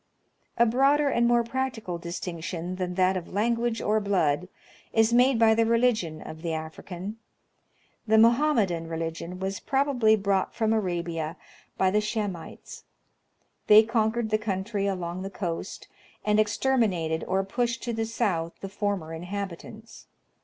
A broader and more practical distinction than that of language or blood is made by the religion of the African. The Moham medan religion was probably brought from Arabia by the Shem ites. They conquered the country along the coast, and exter minated or pushed to the south the former inhabitants.